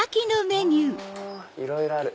うわいろいろある。